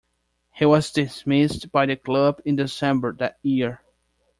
He was dismissed by the club in December that year.